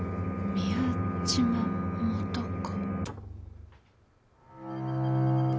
宮島素子。